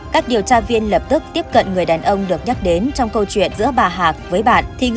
các điều tra viên lập tức tiếp cận người đàn ông được nhắc đến trong câu chuyện giữa bà hạc với bạn